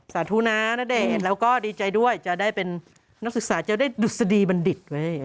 ธุนะณเดชน์แล้วก็ดีใจด้วยจะได้เป็นนักศึกษาจะได้ดุษฎีบัณฑิต